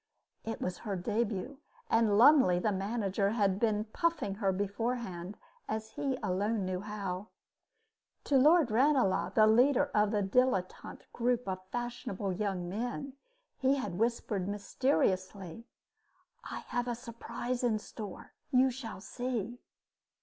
It was her debut, and Lumley, the manager, had been puffing her beforehand, as he alone knew how. To Lord Ranelagh, the leader of the dilettante group of fashionable young men, he had whispered, mysteriously: "I have a surprise in store. You shall see."